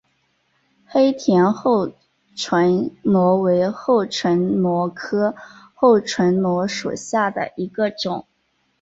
黑田厚唇螺为厚唇螺科厚唇螺属下的一个种。